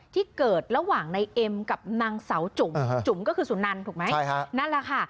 ที่เกิดระหว่างในเอ็มกับนางเสาจุ๋มจุ๋มก็คือสุนันถูกไหมนั่นแหละค่ะ